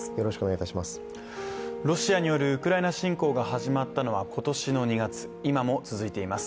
ロシアによるウクライナ侵攻が始まったのは今年の２月、今も続いています。